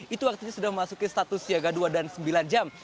itu artinya sudah memasuki status siaga dua dan sembilan jam